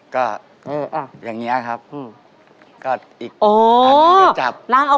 ก็อย่างนี้ครับ